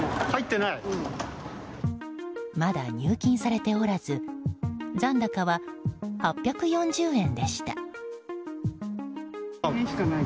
まだ入金されておらず残高は８４０円でした。